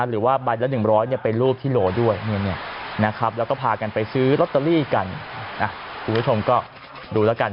หรือว่าใบละ๑๐๐เป็นรูปที่โหลด้วยนะครับแล้วก็พากันไปซื้อลอตเตอรี่กันคุณผู้ชมก็ดูแล้วกัน